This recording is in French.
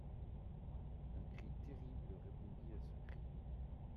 Un cri terrible répondit à ce cri.